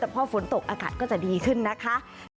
แต่พอฝนตกอากาศก็จะดีขึ้นนะคะ